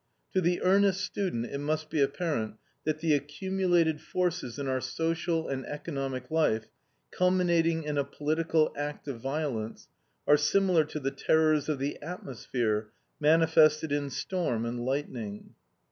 To the earnest student it must be apparent that the accumulated forces in our social and economic life, culminating in a political act of violence, are similar to the terrors of the atmosphere, manifested in storm and lightning.